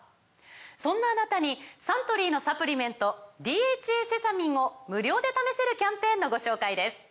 そんなあなたにサントリーのサプリメント「ＤＨＡセサミン」を無料で試せるキャンペーンのご紹介です